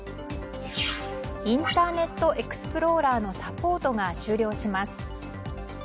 インターネットエクスプローラーのサポートが終了します。